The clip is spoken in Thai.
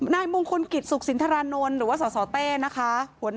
นายมงคลกิจสุขสินทรานนท์หรือว่าสสเต้นะคะ